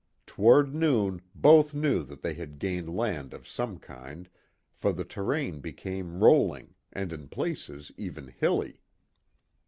Toward noon, both knew that they had gained land of some kind, for the terrain became rolling, and in places even hilly.